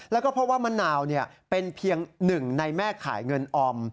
แล้วก็เพราะว่ามะนาวเป็นเพียงหนึ่งในแม่ขายเงินออม